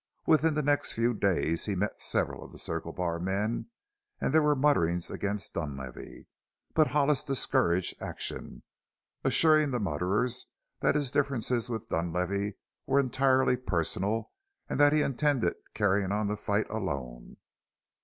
Within the next few days he met several of the Circle Bar men and there were mutterings against Dunlavey, but Hollis discouraged action, assuring the mutterers that his differences with Dunlavey were entirely personal and that he intended carrying on the fight alone.